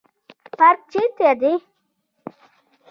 پارک چیرته دی؟